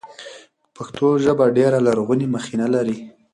پښتو ژبه ډېره لرغونې مخینه لري.